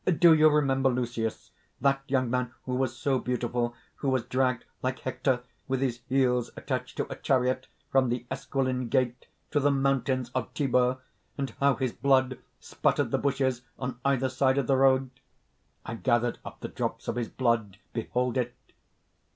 "Do you remember Lucius, that young man who was so beautiful, who was dragged like Hector, with his heels attached to a chariot, from the Esquiline Gate to the mountains of Tibur? and how his blood spattered the bushes on either side of the road? I gathered up the drops of his blood. Behold it!"